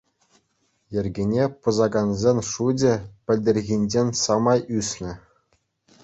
Йӗркене пӑсакансен шучӗ пӗлтӗрхинчен самай ӳснӗ.